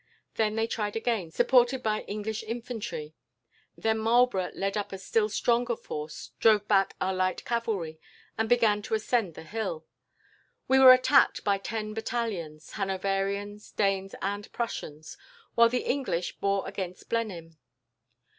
Then they tried again, supported by English infantry. Then Marlborough led up a still stronger force, drove back our light cavalry, and began to ascend the hill. We were attacked by ten battalions Hanoverians, Danes, and Prussians, while the English bore against Blenheim.